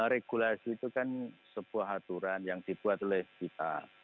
regulasi itu kan sebuah aturan yang dibuat oleh kita